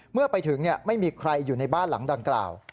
เมื่อไปถึงไม่มีใครอยู่ในบ้านหลังดังกล่าว